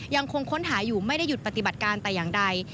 ยังคงค้นหาอยู่ไม่ได้หยุดปฏิบัติการแต่อย่างใด